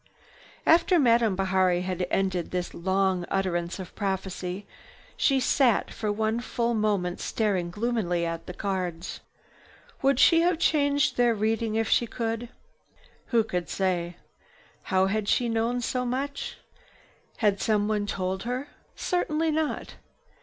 After Madame had ended this long utterance of prophecy, she sat for one full moment staring gloomily at the cards. Would she have changed their reading if she could? Who can say? How had she known so much? Had someone told her? Certainly not.